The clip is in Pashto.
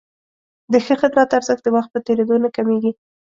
د ښه خدمت ارزښت د وخت په تېرېدو نه کمېږي.